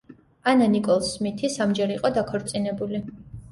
ანა ნიკოლს სმითი სამჯერ იყო დაქორწინებული.